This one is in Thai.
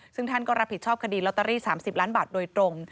ซึ่งท่านก็รับผิดชอบคดีลอตเตอรี่๓๐ล้านบาทโดยตรง